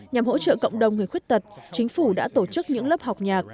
nhằm hỗ trợ cộng đồng người khuyết tật chính phủ đã tổ chức những lớp học nhạc